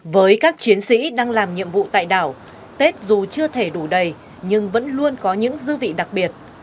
với các chiến sĩ đang làm nhiệm vụ tại đảo tết dù chưa thể đủ đầy nhưng vẫn luôn có những dư vị đặc biệt